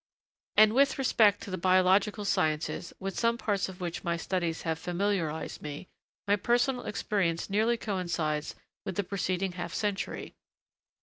[D] And, with respect to the biological sciences, with some parts of which my studies have familiarised me, my personal experience nearly coincides with the preceding half century.